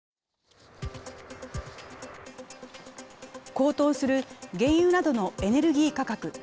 高騰する原油などのエネルギー価格。